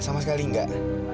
sama sekali enggak